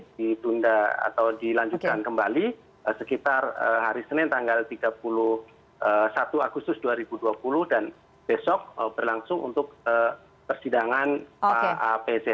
ditunda atau dilanjutkan kembali sekitar hari senin tanggal tiga puluh satu agustus dua ribu dua puluh dan besok berlangsung untuk persidangan pak apz